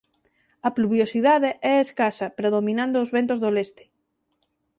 A pluviosidade é escasa predominando os ventos do leste.